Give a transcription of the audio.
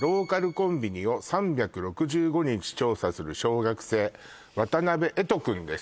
コンビニを３６５日調査する小学生渡辺瑛都くんです